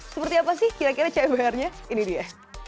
seperti apa sih kira kira ceweknya ini dia